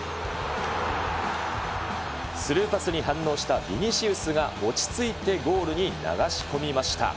スルーパスに反応したビニシウスが落ち着いてゴールに流し込みました。